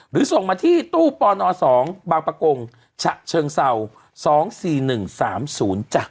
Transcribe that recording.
ส่งมาที่ตู้ปน๒บางประกงฉะเชิงเศร้า๒๔๑๓๐จ้ะ